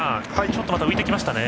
ちょっと浮いてきましたね。